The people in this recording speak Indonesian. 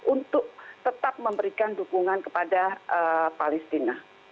untuk tetap memberikan dukungan kepada palestina